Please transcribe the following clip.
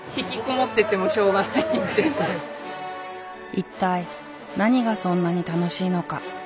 一体何がそんなに楽しいのか。